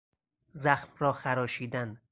زخم را خراشیدن